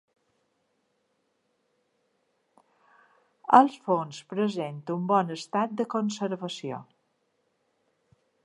El fons presenta un bon estat de conservació.